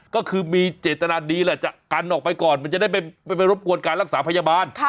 ก็คือมีเจตนาดีแหละจะกันออกไปก่อนมันจะได้ไปรบกวนการรักษาพยาบาล